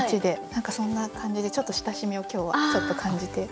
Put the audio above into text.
何かそんな感じで親しみを今日はちょっと感じて。